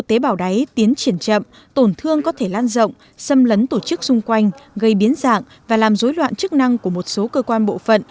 tế bào đáy tiến triển chậm tổn thương có thể lan rộng xâm lấn tổ chức xung quanh gây biến dạng và làm dối loạn chức năng của một số cơ quan bộ phận